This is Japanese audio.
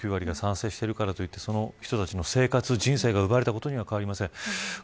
９割が賛成しているからといって、その人の人生、生活が奪われたことは変わりありません。